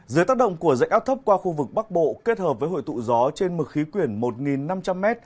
dưới tác động của dạnh áp thấp qua khu vực bắc bộ kết hợp với hội tụ gió trên mực khí quyển một năm trăm linh m